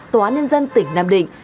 tòa án nhân dân tỉnh nam định